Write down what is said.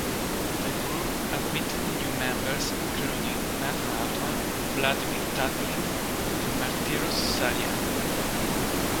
The group admitted new members including Nathan Altman, Vladimir Tatlin, and Martiros Saryan.